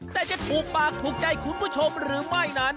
แต่จะถูกปากถูกใจคุณผู้ชมหรือไม่นั้น